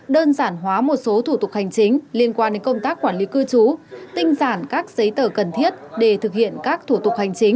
đơn giản hóa một số thủ tục hành chính liên quan đến công tác quản lý cư trú tinh giản các giấy tờ cần thiết để thực hiện các thủ tục hành chính